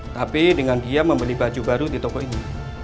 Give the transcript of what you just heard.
tapi dengan dia membeli baju baru di toko ini